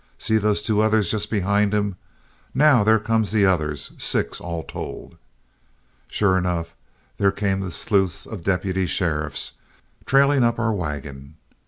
See those two others just behind him. Now, there come the others six all told." Sure enough, there came the sleuths of deputy sheriffs, trailing up our wagon.